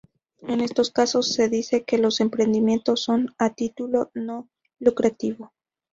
En estos casos se dice que los emprendimientos son a título no lucrativo.